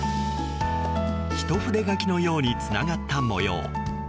一筆書きのようにつながった模様。